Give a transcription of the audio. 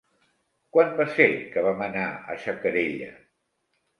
Quan va ser que vam anar a Xacarella?